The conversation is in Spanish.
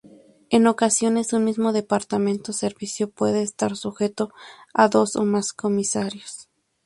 En ocasiones un mismo departamento servicio puede estar sujeto a dos o más comisarios.